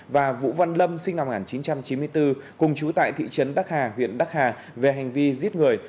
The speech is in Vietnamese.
và vũ văn lâm sinh năm một nghìn chín trăm chín mươi bốn cùng chú tại thị trấn đắc hà huyện đắc hà về hành vi giết người